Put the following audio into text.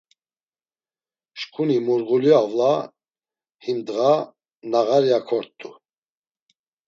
Şǩuni Murğuli avla him ndğa nağarya kort̆u.